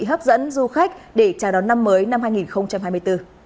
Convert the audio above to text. hấp dẫn du khách để trả đón năm mới